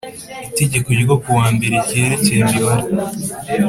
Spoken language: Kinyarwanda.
Itegeko ryo ku wa mbere ryerekeye imibare